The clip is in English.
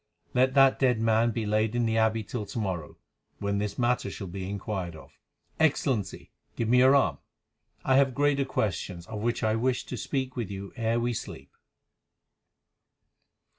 Let that dead man be laid in the Abbey till to morrow, when this matter shall be inquired of. Excellency, give me your arm; I have greater questions of which I wish to speak with you ere we sleep."